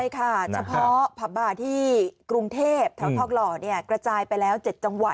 ใช่ค่ะเฉพาะผับบาร์ที่กรุงเทพแถวทองหล่อกระจายไปแล้ว๗จังหวัด